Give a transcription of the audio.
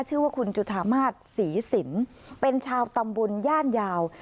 ชื่อว่าคุณจุธามาศศรีสินเป็นชาวตำบลย่านยาว